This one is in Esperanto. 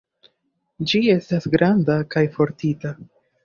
Ĝi estas granda kaj fortika.